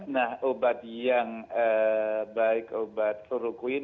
nah obat yang baik obat kloroquine